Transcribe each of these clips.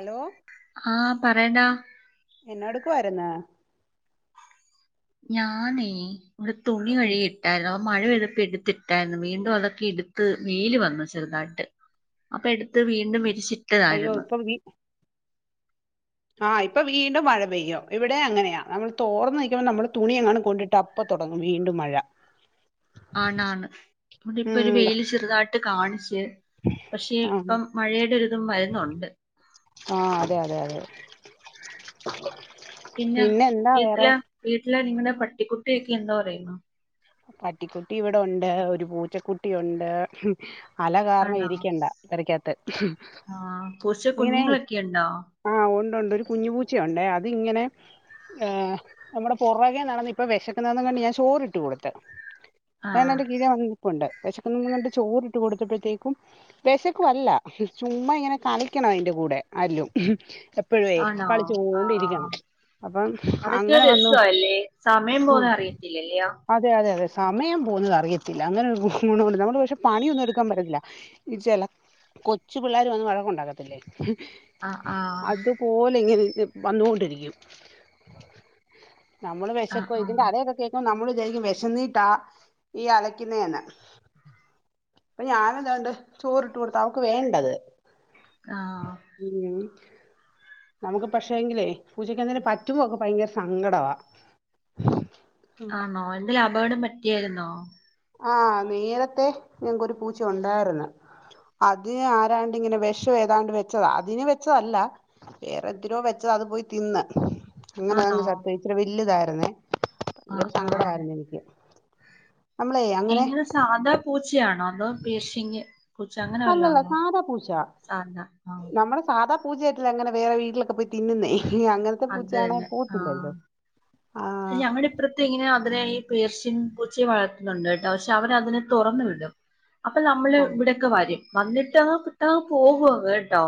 Hello ആ പറയ്ട എന്നോട്ക്ക് വരുന്ന് ഞാനേ ഇവിടെ തുണി ഉം. കഴുകി ഇട്ടാലോ മഴ പെയ്തപ്പോ എടുത്തിട്ടായിരുന്നു വീണ്ടും അതൊക്കെ എടുത്ത് വെയില് വന്നു ചെറുതായിട്ട് അപ്പൊ എടുത്ത് വീണ്ടും വിരിച്ചി അയ്യോ ഇപ്പൊ വി ആഹ് ഇപ്പൊ വീണ്ടും മഴ പെയ്യും ഇവിടെ അങ്ങനെയാ നമ്മൾ തോർന്ന് നിൽക്കുമ്പോൾ നമ്മള് തുണി എങ്ങാനും കൊണ്ടിട്ടാ അപ്പ തുടങ്ങും വീണ്ടും മഴ. ആണാണ് ഇവിടെ ഇപ്പൊ ഒരു ഉം വെയില് ചെറുതാ ട്ട് കാണിച്ചു പക്ഷെ ആ ഇപ്പം മഴയുടെ ഒരിതും വരുന്നുണ്ട്. ആഹ് അതെ അതെ അതെ പിന്നെ എന്താ വേറെ വീട്ടിലെ വീട്ടില നിങ്ങളുടെ പ കുട്ടിയൊക്കെ എന്തോ പറയുന്നു? പട്ടിക്കുട്ടി ഇവിടെ ഉണ്ട് ഒരു പൂച്ചക്കുട്ടിയുണ്ട്. അല കാരണം ആണോ ഇരിക്കണ്ട പെരയ്ക്കാത്ത് ആഹ് പൂച്ച ഇങ്ങനെ കുഞ്ഞുങ്ങളൊക്കെ ഉണ്ടോ ആ ഒണ്ട് ഒരു കുഞ്ഞു പൂച്ചയൊണ്ടേ അത് ഇങ്ങനെ നമ്മുടെ പുറകെ നടന്ന് ഇപ്പൊ വിശക്കുന്നതും കണ്ട് ഞാൻ ചോറിട്ട് കൊടുത്തു. ത്ത് ദാണ്ടേ ആഹ് എന്റെ കീഴെ വന്ന് നിപ്പൊണ്ട്. വിശക്കുന്നുന്ന് കണ്ട് ചോറിട്ട് കൊടുത്തപ്പോഴത്തേക്കും വിശക്കു അല്ല ചുമ്മ ഇങ്ങനെ കളിക്കണം അതിന്റെ കൂടെ ആരേലും. ആണോ ആഹ് അപ്പം അതൊക്കെ അങ്ങനെ വന്നു രസാല്ലേ സമയം ഉം, പോന്ന അറിയത്തില്ലല്ലിയോ അതെ അതെ അതെ സമയം പോവു ന്നത് അറിയത്തില്ല അങ്ങനെ ഒരു ഗുണവുണ്ട് നമ്മള് പക്ഷെ പണിയൊന്നും എടുക്കാൻ പറ്റത്തില്ല ചില കൊച്ചു പിള്ളോര് വന്ന് വഴക്കുണ്ടാക്കത്തില്ലേ? ആഹ് ആഹ് അതുപോലിങ്ങനെ വന്നുകൊണ്ടിരിക്കും. നമ്മള് ആഹ് വിശക്കോ ഇതിന്റെ ആഹ് അലയൊക്കെ കേൾക്കും നമ്മള് വിചാരിക്കും വിശന്നീട്ടാ ഈ അലക്കുന്നേന്ന് അപ്പ ഞാൻ ഇതാണ്ടേ ചോറിട്ട് കൊടുത്തു അവക്ക് വേണ്ടയത്. ആഹ് [unintelligible] നമുക്ക് പക്ഷേ എങ്കിലെ പൂജക്കന്നേരം പറ്റുമ്പോക്കെ ഭയങ്കര സങ്കടവാ ആണോ എന്തേലപകടം പ റ്റിയാരുന്നോ? ആഹ് നേരത്തെ ഞങ്ങക്കൊരു പൂച്ച ഉണ്ടായിരുന്നു അതിന് ആരാണ്ട് ഇങ്ങനെ വിഷം ഏതാണ്ട് വെച്ചതാ അതിന് വെച്ചതല്ല വേറെന്തിനോ വെച്ചത് അത് പോയി തിന്ന് അങ്ങനെ ആണോ അതങ്ങ് ചത്തു പോയി ഇച്ചരി വല്ലിയതാരുന്നു. അതെ ആഹ് ഭയങ്കര ആഹ് സങ്കടമായിരുന്നു എനിക്ക്. നമ്മളേ അങ്ങനെ എങ്ങനെ സാധാ പൂച്ചയാണോ? അതോ പേർഷ്യൻ ക്യാ അല്ലല്ല സാദാപൂച്ച സാധാ ആഹ് നമ്മുടെ സാദാ പൂച്ച [inaudible] അങ്ങനെ വേറെ വീട്ട്ലൊക്കെപോയി തിന്ന്ന്നെ ഈ അങ്ങനത്തെ പൂച്ചയാണ പോവാതില്ലല്ലോ ഞങ്ങളുടെ ഇപ്പറത്തെ ഇങ്ങനെ അതിനെ ഈ പേർഷ്യൻ പൂച്ചെ വളർത്തുന്നുണ്ട് കേട്ടോ പക്ഷെ അവന അതിനെ തുറന്നു വിടും അപ്പൊ നമ്മള് ആ ഇവിടെയൊക്കെ വരും വന്നിട്ട [inaudible] ട്ടന്ന് പോകുവങ്ങ് കേട്ടോ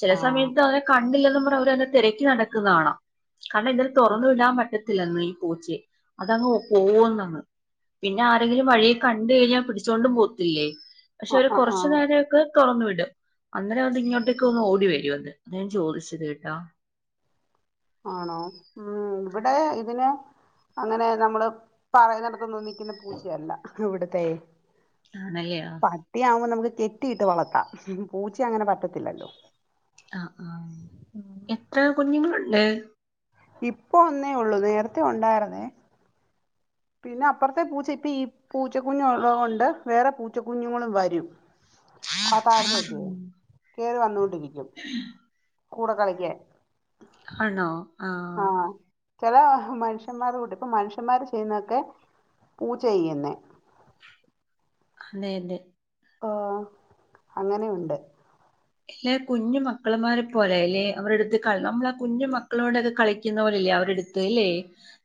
ചില ആ സമയത്ത് [unintelligible] കണ്ടില്ലെന്നുപറഞ്ഞെ അവരെയേതിനെ തെരക്കി നടക്കുന്ന കാണാം [unintelligible] തുറന്നു വിടാൻ പറ്റ ത്തില്ലന്ന് ഈ പൂച്ച അതങ്ങ് പോവ്വന്നങ്ങ് പിന്നെ ആരെങ്കിലും വഴിയികണ്ട കഴിഞ്ഞാൽ പിടിച്ചൊണ്ടും പോകത്തില്ലേ പക്ഷെ ഒരു ആ ആ ആ കൊറച്ചു നേരൊക്കെ തൊറന്നു വിടും അന്നെരം അത് ഇങ്ങോട്ടേക്ക് ഒന്ന് ഓടി വരും അതെ ഞാൻ ചോദിച്ചത് കേട്ടാ ആണോ മ് ഇവിടെ ഇതിന് അങ്ങനെ നമ്മള് പറയന്നട്ത്തൊന്നും നി ക്കുന്ന പൂച്ചയല്ല ഇവിടെ തേ ആണല്ലേ പട്ടി ആവുമ് നമ്മക്ക് കെട്ടിയിട്ട് വളത്താം പൂച്ചെ അങ്ങനെ പറ്റത്തില്ലല്ലോ ആ ആ എത്ര കുഞ്ഞുങ്ങൾ ഇ [inaudible] ഇപ്പൊ ഒന്നേ ഉള്ളൂ നേരത്തെ ഒണ്ടായിരുന്നേ പിന്നെ അപ്പുറത് പൂച്ച ഇപ്പ ഈ പൂച്ചക്കുഞ്ഞുള്ളകൊണ്ട് വേറെ പൂച്ചക്കുഞ്ഞുങ്ങളും വരും [unintelligible] കേറി വന്നോണ്ടിരിക്കും കൂട കളിക്കാൻ ആ ചെല മനുഷ്യന്മാറെകൂട്ട് ഇപ്പം മനുഷ്യന്മാര് ചെയ്യുന്നക്കെ പൂച്ചയ്യുന്നെ അതെല്ലെ ആ അങ്ങനെയുണ്ട് ല്ലെ കുഞ്ഞു മക്കള്മാരെ പോലെല്ലെ അവർടുത്ത് ക നമ്മള കുഞ്ഞു മക്കളോടൊക്കെ കളിക്കുന്ന പോലെല്ലേ അവരെടുത്ത് ല്ലേ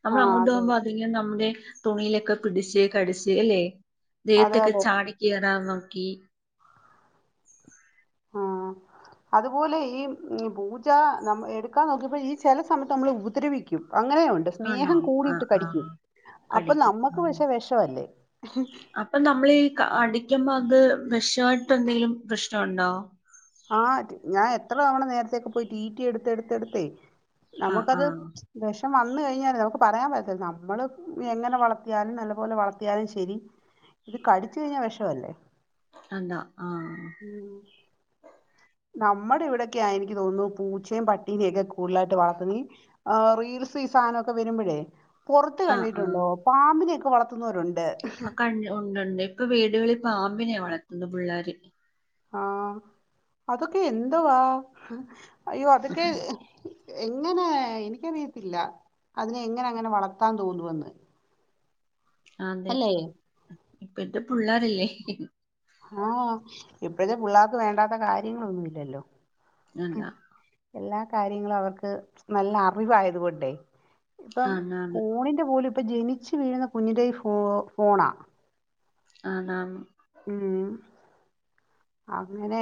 നമ്മൾ ആ അങ്ങോട്ട് അതെ പോകുമ്പോ അതില്ലെ നമ്മുടെ തുണിയിലൊക്കെ പിടിച്ച് കടിച്ച് അല്ലെ അതെ ദേഹത്തക്കെ അതെ ചാടിക്കേറാ ക്കി ആ അതുപോലെ ഈ പൂച്ച നമ് എടുക്കാൻ നോക്കിയപ്പോ ഈ ചെല സമയത്ത് നമ്മള ഉപദ്രവിക്കും അങ്ങനെ ഒണ്ട് ആണോ സ്നേഹം ആഹ് കൂടിട്ട് കടിക്കും ആഹ് അപ്പൊ കടിക്കും നമ്മക്ക് ഉം പക്ഷെ വെഷവല്ലേ ക്കുമ്പോ അത് വെഷായിട്ടെന്തെലും പ്രശ്നണ്ടോ ആ ഞാൻ എത്ര തവണ നേരത്തേക്കെ പോയി റ്റീറ്റി എടുത്തെടുത്തെടുത്തേ ആഹ് നമുക്കത് ആഹ് വെ വന്ന്കഴിഞ്ഞാ നമുക്ക് പറയാൻ പറ്റത്തില്ല നമ്മള് എങ്ങനെ വളർത്തിയാലും നല്ലപോലെ വളർത്തിയാലും ശെരി ഇത് കടിച്ചഴിഞ്ഞാൽ വെഷല്ലേ [unintelligible] ആ നമ്മടെ ഇവിടെക്കേയാ എനിക്ക് തോന്നുന്നു പൂച്ചേം പട്ടീനേക്കേ കൂടുലായിട്ട് വളർത്തുന്നേ ആ റീൽസ് ഈ സാനൊക്കേ വരുമ്പഴേ പുറത്ത് കണ്ടിട്ടുണ്ടോ പാമ്പിനേ വളർത്തുന്നോരൊണ്ട് ക ഉണ്ടുണ്ട് ഇപ്പൊ വീടുകളിൽ പാമ്പിനെ വളർ [unintelligible] പുള്ളേര് ആ അതൊക്കേ എന്തുവാ അയ്യോ അതൊക്കെ എങ്ങനെ എനിക്കറിയത്തില്ല അതിനെ എങ്ങനെങ്ങനെ വളർത്താൻ തോന്നുവെന്ന് ആ അതെ അല്ലേ ഇപ്പഴ്ത്തെ പിള്ളേരല്ലേ [inaudible] ആ ഇപ്പോഴത്തെ പുള്ളാർക്ക് വേണ്ടാത്ത കാര്യങ്ങളൊന്നുല്ലല്ലോ അല്ല എല്ലാ കാര്യങ്ങളും അവർക്ക് നല്ല അറിവായതുകൊണ്ടേ ഇപ്പം ആണാണ് ഫോണിന്റെ പോലും ഇപ്പൊ ജനിച്ചു വീഴുന്ന കുഞ്ഞിന്റെ ഫോ ഫോണാ അ താണ് ഉം അങ്ങനെ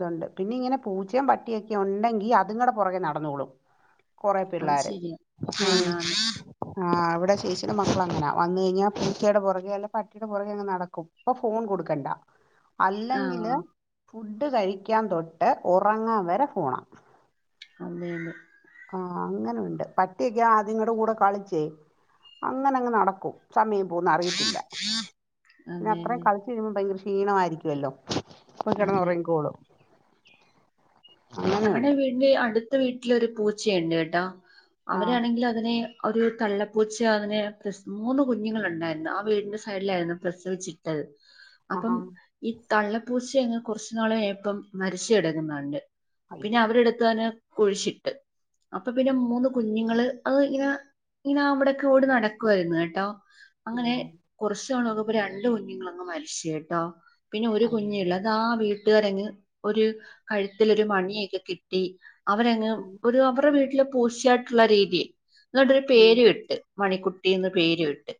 തുണ്ട് പിന്നെ ഇങ്ങനെ പൂച്ചയും പട്ടിയൊക്കെണ്ടെങ്കി അതുങ്ങടേ പൊറകെ നടന്നോളും കൊറേ അത് പിള്ളാര് ശരിയാ ഉം ആണാണ് ആ [unintelligible] ചേച്ചിടേ മക്കളാ ഫോൺ കൊടുക്കണ്ട അല്ലെങ്കില് ആഹ് ഫുഡ് കഴിക്കാൻ തൊട്ട് ഉറങ്ങാവരെ ഫോണാ അതെ അതെ ആ അങ്ങനെണ്ട് പട്ടിയൊക്കേ അത്ങ്ങടെകൂടെ കളിച്ച് അങ്ങനങ്ങ് നടക്കും സമീ പോകുന്നറിയത്തില്ല പിന്നെ അതെ അത്രയും അതെ കളിച്ചഴിയുമ്പോ ഭയങ്കര ഇഷ് ക്ഷീണമായിരിക്കുവല്ലോ അപ്പൊ അതെ കെടന്നൊറങ്ങിക്കോളും ഞങ്ങടെ അങ്ങനെയുണ്ട് വീടിൻ്റെ അടുത്ത വീട്ട ട്ടിലൊരു പൂച്ചയൊണ്ട് കേട്ടോ ആഹ് അവരാണങ്കിലും അതിനെ ഒരു തള്ളപ്പൂച്ച അതിന് പ്രസ മൂന്ന് കുഞ്ഞുങ്ങളുണ്ടായിരുന്നു ആ വീടിന്റെ സൈഡിലായിരുന്നു പ്രസവിച്ചിട്ടത് അപ്പം ആഹാ ഇ തള്ളപ്പൂച്ച എങ് കുറച്ചുനാളകഴിയുമ്പം മരിച്ച കിടക്കുന്നകണ്ട് പിന്നെ അയ്യോ അവരെ എടുത്താന് കുഴിച്ചിട്ട് അപ്പൊ പിന്നെ മൂന്ന് കുഞ്ഞുങ്ങള് അത് ഇങ്ങനെ ഇങ്ങനെ അവിടൊക്കെ ഓടി നടക്കുായിരുന്നു കേട്ടോ അങ്ങനെ അയ്യോ കുറച്ച് ന ഇ രണ്ട് കുഞ്ഞുങ്ങളങ്ങ് മരിച്ചു കേട്ടോ പിന്നെ ഒരു അയ്യോ കുഞ്ഞെള്ളൂ അത് ആ വീട്ട വീട്ടുകാരങ്ങ് ഒരു [unintelligible] തിലൊരു മണിയൊക്കെ കിട്ടി അവരെങ്ങ് ഉം ഒരു അവരുടെ വീട്ടില് പൂശായായിട്ടുള്ള രീതി എന്നട്ടൊരു ഉം പേര് ഇട്ട് മണിക്കുട്ടി കുട്ടിന്ന് പേര് ഇട്ട്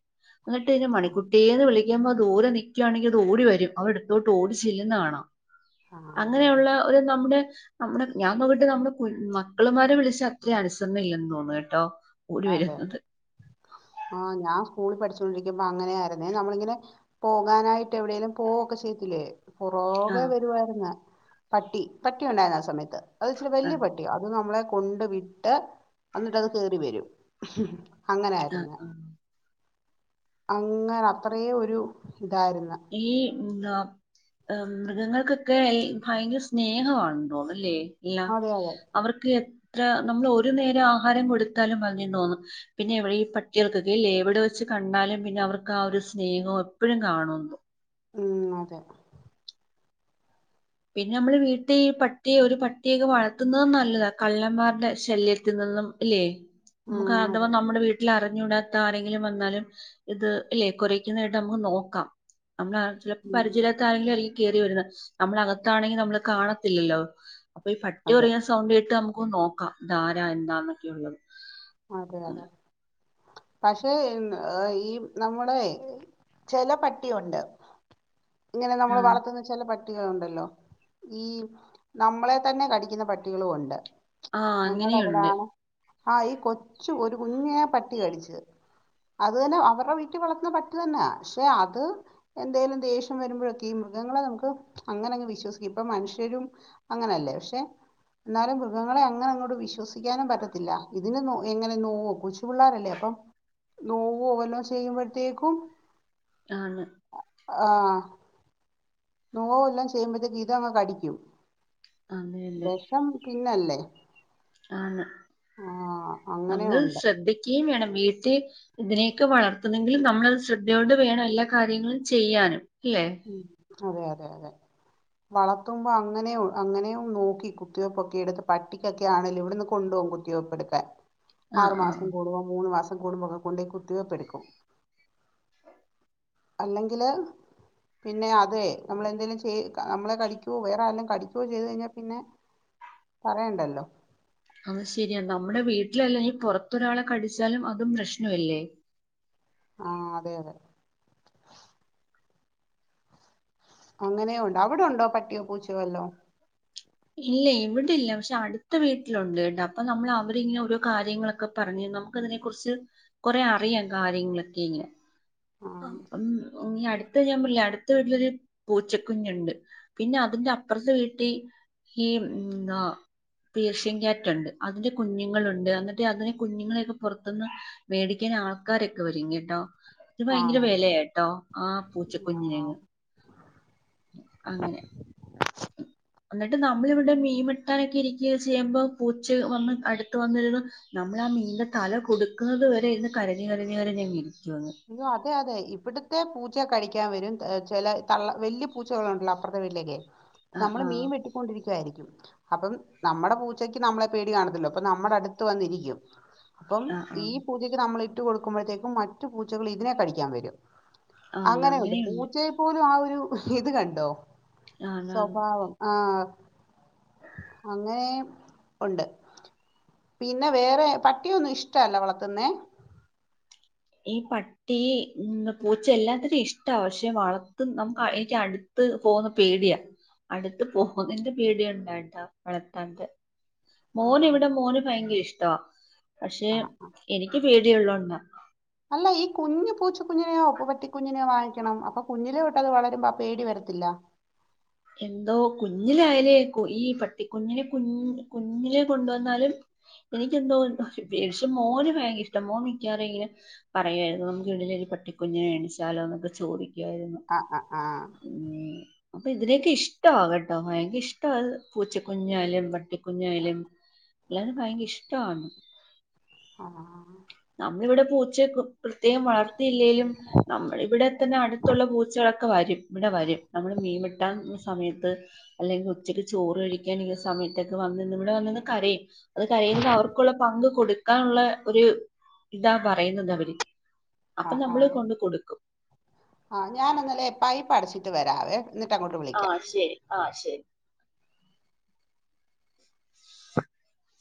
എന്നിട്ട് മണിക്കുട്ടീന്ന് വിളിക്ക അ്യ്പോ അ ദൂരെ നി ക്കുകവാണെങ്കിൽ അത് ഓടി വരും അവടെടുത്തോട്ട്ഓടിചില്ലന്ന് കാണാം ആഹ് അതെ അതെ അങ്ങനെയുള്ള ഒരു നമ്മുടെ നമ്മുടെ ഞാൻ നോക്കിയിട്ട് നമ്മുടെ മക്കളുമാരെ വിളിച്ച അത്രയും അനുസരണ ഇല്ലന്ന് തോന്നുന്നു കേട്ടോ ഓടി അതെതെ വരുന്നത് ആഹ ഞാൻ - സ്കൂളിൽ പഠിച്ചോണ്ടിരിക്കുമ്പ അങ്ങനെയാരുന്നേ നമ്മളിങ്ങനെ പോകാനായിട്ട് എവിടെേങ്കലും പോവുകൊക്കെ ചെയ്ത്തില്ലേ പുറകെ ആഹ് വരുവായിരുന്ന് പട്ടി പട്ടി ഉണ്ടായിരുന്നു ആ സമയത്ത് അത്ച്ചിരി വലിയ ആഹ് പട്ടിയാ അത് നമ്മളെ കൊണ്ട് വിട്ട് എന്നിട്ട്ത് കേറി വരും [inaudible] ആഹ് അങ്ങനെയായിരുന്നു ആഹ് അങ്ങന അത്രയെ ഒരു ഇതായിരുന്നു ആം എന്താ മൃഗങ്ങൾക്കൊക്കെ ഈ ഭയങ്കര സ്നേഹമാണതോന്നുന്നുല്ലോ അല്ലേ ഇല്ല അതെ അതെ അവർക്ക് എത്ര നമ്മൾ ഒരു നേരം ആഹാരം കൊടുത്താലും മതി തോന്നുന്നു പിന്നെ എവിടെ ഈ പട്ടികൾക്കൊക്കെല്ല എവിടെ വെച്ച് കണ്ടാലും പിന്നെ അവർക്ക് ആ ഒരു സ്നേഹവും എപ്പോഴും കാണുന്നു ഉ അതെ പിന്നെ നമ്മള് വീട്ടിൽ ഈ പട്ടിയ ഒരു പട്ടിയൊക്കെ വളർത്തുന്നത നല്ലതാ കള്ളന്മാരുടെ ശല്യത്തിൽ നിന്നും ഇല്ലേ നമുക്ക് ഉം അഥവാ അതെ നമ്മുടെ വീട്ടിലറി- അ റഞ്ഞൂടാത്ത ആരെങ്കിലും വന്നാലും ഇത് ഇല്ലേ കുരക്കുന്നകേട്ട നമുക്ക് നോക്കാം നമ്മള് നാട്ടില് ചിലപ്പോ ഉം പരിചയാത്ത ആരെങ്കിലും ആയി കേറി വരുന്നത്. നമ്മളകത് ത്താണെങ്കി നമ്മള് കാണത്തില്ലല്ലോ? അപ്പൊ ഈ പട്ടി അതെ കൊരയ്ക്കുന്ന സൗണ്ട്കേട്ട് നമ്മു ക്ക് നോക്കാം ഇതാരാ എന്താന്നൊക്കെയുള്ളത്. അതെ അതെ പക്ഷേ, മ്മ് ഈഹ് ഈ നമ്മളേയ് ചെല പട്ടിയുണ്ട്. ഇങ്ങനെ ആ നമ്മള് വളർത്തുന്ന ചെല പട്ട് പട്ടികളുണ്ടല്ലോ? ഈ നമ്മളെ തന്നെ കടിക്കുന്ന പട്ടികളു ഉണ്ട്. ആഹ് അങ്ങനെയുണ്ട്. ആ ഈ കൊ കൊച്ച് ഒരു കുഞ്ഞിനെ പട്ടി കടിച്ച്. അത് തന്നെ അവരുടെ വീട്ടിൽ വളർത്തുന്ന പട്ടി തന്നാ. പക്ഷെ അത് എന്തേലും ദേഷ്യം വരുമ്പോഴൊക്കെ ഈ മൃഗങ്ങളെ നമുക്ക് അങ്ങനങ്ങ് വിശ്വസിക്കു, ഇപ്പ മനുഷ്യരും അങ്ങനെയല്ലേ? പക്ഷെ എന്നാലും മൃഗങ്ങളെ അങ്ങനെ അങ്ങോട്ട് വിശ്വസിക്കാനും പറ്റത്തില്ല. ഇതിന് നോ എങ്ങനെ നോവോ, കൊച്ചു പിള്ളേരല്ലേ? അപ്പം നോവോ വല്ലോ ചെയ്യുമ്പഴത്തേക്കും ആണ് ആഹ് നോവ് വല്ലോം ചെയ്യ്മ്പഴത്തേക്ക് ഇതങ്ങ് കടിക്കും അതെയതെ വെഷം പിന്നല്ലേ. ആണ് ആഹ് നമ്മൾ അങ്ങനെയുണ്ട് ശ്രദ്ധിക്കി വേണം. വീട്ടിൽ ഇതിനെയൊക്കെ വളർത്തുന്നെങ്കിൽ നമ്മളത് ശ്രദ്ധയോടെ വേണം എല്ലാ കാര്യങ്ങളും ചെയ്യാനും. ഇല്ലേ? ഉം അതെ അതെ അതെ. വളർത്തുമ്പോ അങ്ങനെയു അങ്ങനെയും നോക്കി കുത്തിവെയ്പ്പൊക്കെ എടുത്ത് പട്ടിക്കൊക്കെ ആണേലും ഇവിടെന്ന് കൊണ്ടുപോകും കുത്തിവെപ്പെടുക്കാൻ. ആറ് ആഹ് മാസം ആഹ് കൂടുമ്പോ മൂന്ന് മാസ കൂടുമ്പൊക്കെ കൊണ്ടോയി കുത്തിവെപ്പെടുക്കും. അല്ലെങ്കില് പിന്നെ അതെ നമ്മൾ എന്തേലും ചെയ് നമ്മളെ കടിക്കോ വേറെ ആരേലേം കടിക്കുവോ ചെയ്തു കഴിഞ്ഞാൽ പിന്നെ, പറയണ്ടല്ലോ? അത് ശരിയാ. നമ്മുടെ വീട്ടിലല്ല ഇനി പുറത്തൊരാളെ കടിച്ചാലും അതും പ്രശ്നവല്ലേ? ആ അതെ അതെ അങ്ങനെയു ഉണ്ട്. അവിടുണ്ടോ പട്ടിയോ പൂച്ചയോ വല്ലോം? ഇല്ല ഇവിടില്ല. പക്ഷെ അട്ത്ത വീട്ടിലുണ്ട് ടാ. അപ്പൊ നമ്മള് അവരിങ്ങനെ ഓരോ കാര്യങ്ങളൊക്കെ പറഞ്ഞ് നമുക്ക് അതിനെ കുറിച്ച് കൊറെ അറിയാം കാര്യങ്ങളൊക്കെ ഇങ്ങനെ. അം ആഹ് അം ഇനി അടുത് ത്ത ഞാൻ പില്ലേ, അടുത്ത വീട്ടിലൊരു പൂച്ചക്കുഞ്ഞുണ്ട്. പിന്നെ അതിന്റെ അപ്പുറത്തെ വീട്ടിൽ ഈ എന്താ പേർശഷ്യൻ ക്യാറ്റുണ്ട്. അതിന്റെ കുഞ്ഞുങ്ങളുണ്ട്. എന്നിട്ട് അതിന്റെ കുഞ്ഞുങ്ങളെയൊക്കെ പൊറത്ത്ന്ന് മേടിക്കാൻ ആൾക്കാരൊക്കെ വരും കേട്ടോ? ത് ഭയങ്കര ആണോ വെലയാട്ടോ? ആ ആഹ് പൂച്ചക്കുഞ്ഞിന്. അങ്ങനെ എന്നിട്ട് നമ്മളിവിടെ മീൻവെട്ടാനൊക്കെ ഇരിക്കുവോ ചെയ്യുമ്പോ പൂച്ച വന്ന് അട്ത്ത് വന്നിര്ന്ന് നമ്മളാ മീന്റെ തല കൊടുക്കുന്നത് വരെ ഇന്ന് കരഞ്ഞ് കരഞ്ഞ് കരഞ്ഞങ്ങ് ഇരിക്ക് അയ്യോ അതെ അതെ ഇവിടുത്തെ പൂ ച്ച കഴിക്കാൻ വരും. ചെല തള്ള വല്യ പൂച്ചകളുണ്ടല്ലോ അപ്പുറത്തെ വീട്ടിലെയൊക്കെ. ആ നമ്മള് ആ മീൻ വെട്ടിക്കൊണ്ടിരിക്കുവായിരിക്കും. അപ്പം നമ്മുടെ പൂച്ചക്ക് നമ്മളെ പേടി കാണത്തില്ലോ. അപ്പൊ നമ്മുടെ അടുത്ത് വന്നിരിക്കും അപ്പം ആ ആ ഈ പൂജക്ക് നമ്മൾ- ഇത് കൊടുക്കുമ്പോഴൊയ്ക്കും - മറ്റു പൂച്ചകൾ ഇതിനെ കടിക്കാൻ വരും അങ്ങനെയുണ്ട് പൂച്ചയെ പോലും ആ ഒരു- ഹി ഇത് കണ്ടോ ആന്ന് ആന്ന് സ്വഭാവം ആഹ അങ്ങനെ ഉണ്ട് പിന്നെ വേറെ പട്ടിയൊന്നും ഇഷ്ട അല്ല വളർതുന്നെ ഈ പട്ടി പൂച്ച എല്ലാത്തിും ഇഷ്ടമാ പക്ഷെ വളർത്തുന്ന നമുക്ക് അടുത്ത് പോകാൻ പേടിയാ പോകുന്നതിന്റെ പേടിഉണ്ടായിട്ടാ വളർത്താതത്. മോന് ഇവിടെ ഭയങ്കര ഇഷ്ട്ടമാ പക്ഷെ ആ എനിക്ക് പേടിഉള്ളോണ്ട അല്ല ഈ കുഞ്ഞു പൂച്ച കുഞ്ഞിനെയോ ഉപ്പപ്പ [inaudible] റ്റ കുഞ്ഞിനെയോ വാങ്ങിക്കണം അപ്പൊ കുഞ്ഞിലെ തൊട്ട് അത് വളരും പേടി വരത്തില്ല എന്തോ കുഞ്ഞിലായാലേ ഈ പട്ടിക്കുഞ്ഞിനെ കൊണ്ടുവന്നാലും എനിക്കെന്തോ വിക്ഷം മോന് ഭയങ്കര ഇഷ്ടം മോൻ മിക്കവാറും ങ്ങനും പറയുമായിരുന്നു നമുക്ക് ഇീടിലരു പട്ടിക്കുഞ്ഞിനെ മേണിച്ചാലോൊക്കെ ചോദിക്ക രുന്നു ആ ആ ആ പി [inaudible] അപ്പൊ [inaudible] ഇതിനേക്കെ ഇഷ്ട ആകട്ടോ ഭയങ്കര ഇഷ്ടം അത് പൂച്ചക്കുഞ്ഞായാലും പ ട്ടിക്കുഞ്ഞായാലും എല്ലരും ഭയങ്കര ഇഷ്ടമാണ് ആഹ [inaudible] പൂച്ചെ കൊ - പ്രത്യേകം വളർത്തിയില്ലെലും നമ്മളിവിടെ തന്നെ അടുത്തുള്ള പൂച്ചകളൊക്കെ- വരും ഇവിടെ വരും നമ്മളു മീൻവെ - കിട്ട സമയത്ത് അല്ലെങ്കിൽ ഉച്ചക്ക് ചോറ് കഴിക്കാൻ സമയത്തൊക്കെ വന്ന് ഇവിടെ വന്നന്ന് കരയും അത് കരയുന്നത് അവർക്കുള്ള പങ്ക്- കൊടുക്കാനുള്ള ഒരു ഇതാ പറയുന്നത് അവര് അപ്പൊ ആഹ് ആ നമ്മള് കൊണ്ട് കൊടുക്കും ആ ഞാൻ ഇന്നലെ പൈപ്പ് അടച്ചില്ല വരവേ ആഹ ശരി ആഹ ശരി [inaudible]